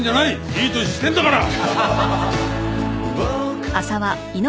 いい年してるんだから！